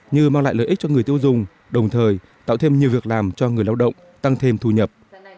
như mang lại lợi ích cho người tiêu dùng đồng thời tạo thêm nhiều việc làm cho người lao động tăng thêm thu nhập